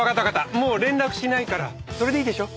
もう連絡しないからそれでいいでしょ？